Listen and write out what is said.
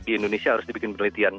di indonesia harus dibikin penelitian